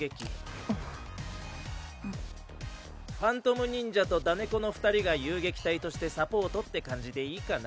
幻影忍者とダネコの２人が遊撃隊としてサポートって感じでいいかな？